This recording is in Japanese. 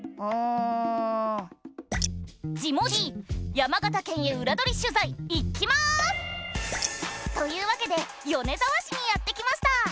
山形県へ裏取り取材行きます！というわけで米沢市にやって来ました！